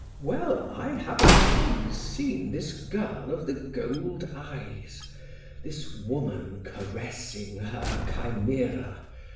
Well, I have again seen this girl of the gold eyes, this woman caressing her chimera.